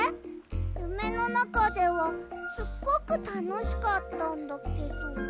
ゆめのなかではすっごくたのしかったんだけど。